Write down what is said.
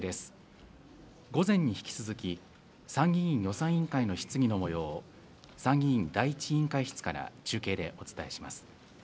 午前に引き続き、参議院予算委員会の質疑のもようを、参議院第一委員会室から中継でお伝えします。